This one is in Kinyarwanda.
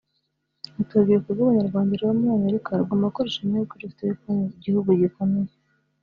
Ati “ Urubyiruko rw’Abanyarwanda ruba muri Amerika rugomba gukoresha amahirwe rufite yo kuba mu gihugu gikomeye